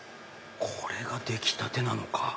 これが出来たてなのか。